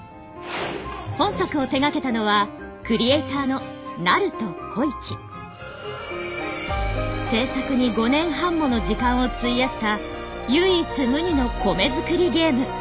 本作を手がけたのは制作に５年半もの時間を費やした唯一無二の米作りゲーム。